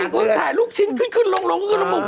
ก็ถ่ายรูปชิ้นขึ้นลงลงขึ้นลง